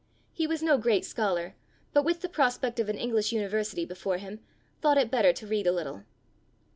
He was no great scholar, but with the prospect of an English university before him, thought it better to read a little.